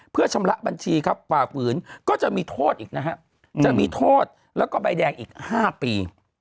เพื่อชำระบัญชีครับฝ่าฝืนก็จะมีโทษอีกนะฮะจะมีโทษแล้วก็ใบแดงอีก๕ปี